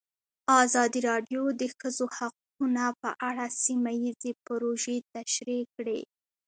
ازادي راډیو د د ښځو حقونه په اړه سیمه ییزې پروژې تشریح کړې.